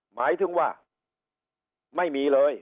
หมายถึงว่าไม่มีเลย